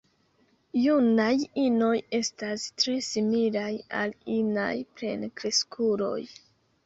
Junaj inoj estas tre similaj al inaj plenkreskuloj.